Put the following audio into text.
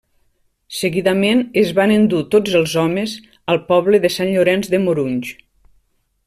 Seguidament es van endur tots els homes al poble de Sant Llorenç de Morunys.